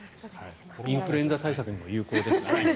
インフルエンザ対策にも有効ですね。